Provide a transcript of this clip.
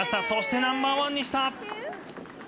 そして、ナンバーワンにした！